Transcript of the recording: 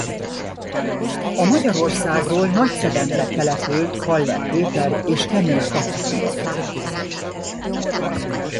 A Magyarországról Nagyszebenbe települt Haller Péter és Kemény Kata fia volt.